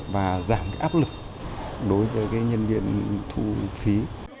và giảm cái áp lực đối với nhân viên thu phí